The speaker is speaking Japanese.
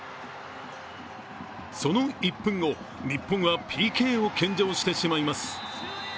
その１分後、日本はＰＫを献上してしまいます。